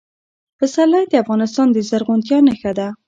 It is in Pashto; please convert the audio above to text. پسرلی د افغانستان د زرغونتیا نښه ده.